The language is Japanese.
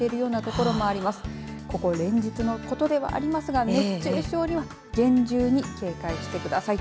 ここ連日のことではありますが熱中症には厳重に警戒してください。